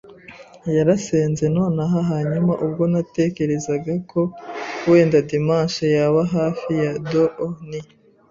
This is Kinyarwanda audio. yarasenze, nonaha hanyuma, ubwo natekerezaga ko wenda dimanche yaba hafi ya doo. Ni